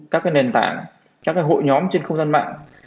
các nền tảng các hội nhóm trên không gian mạng